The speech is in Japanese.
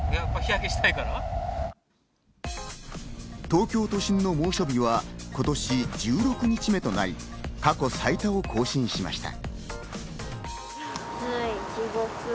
東京都心の猛暑日は今年１６日目となり、過去最多を更新しました。